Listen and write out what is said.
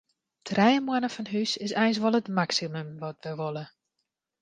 Trije moanne fan hús is eins wol it maksimum wat wy wolle.